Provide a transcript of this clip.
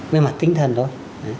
với mặt tinh thần thôi